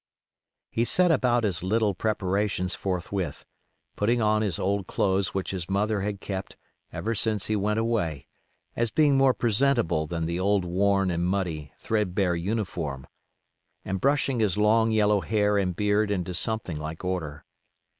He set about his little preparations forthwith, putting on his old clothes which his mother had kept ever since he went away, as being more presentable than the old worn and muddy, threadbare uniform, and brushing his long yellow hair and beard into something like order.